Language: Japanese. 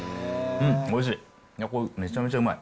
うん、おいしい。